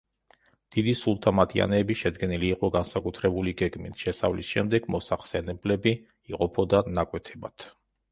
დიდი „სულთა მატიანეები“ შედგენილი იყო განსაკუთრებული გეგმით; შესავლის შემდეგ მოსახსენებლები იყოფოდა ნაკვეთებად.